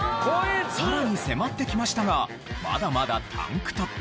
さらに迫ってきましたがまだまだタンクトップ。